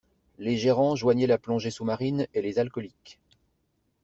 Les gérants joignaient la plongée sous-marine et les alcooliques.